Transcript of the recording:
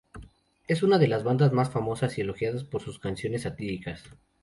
Es una de las bandas más famosas y elogiados por sus canciones satíricas.